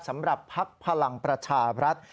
สำหรับภักดิ์พลังประชาบรัฐ